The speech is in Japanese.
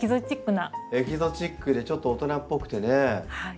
エキゾチックでちょっと大人っぽくてね。